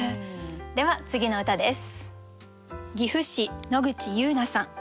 では次の歌です。